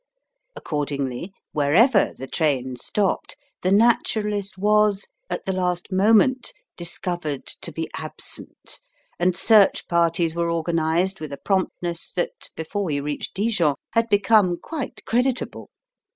Accordingly, wherever the train stopped the Naturalist was, at the last moment, discovered to be absent, and search parties were organised with a promptness that, before we reached Dijon, had become quite creditable.